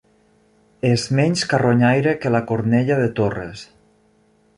És menys carronyaire que la cornella de Torres.